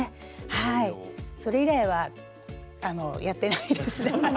それ以来はあのやってないですね。